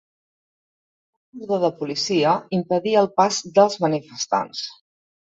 Un cordó de policia impedia el pas dels manifestants.